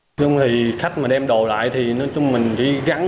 nói chung thì khách mà đem đồ lại thì nói chung mình gắn